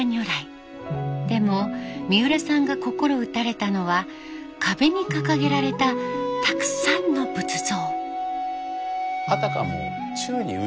でも三浦さんが心打たれたのは壁に掲げられたたくさんの仏像。